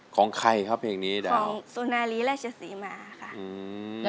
ของซูนาลีและเจ๊สีมา